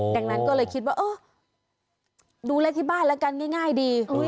ดังนั้นก็เลยคิดว่าเออดูเลขที่บ้านแล้วกันง่ายดี